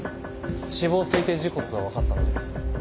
死亡推定時刻が分かったので。